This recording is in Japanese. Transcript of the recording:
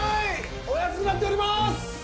お安くなっております！